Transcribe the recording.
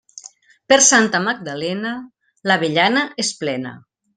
Per Santa Magdalena, l'avellana és plena.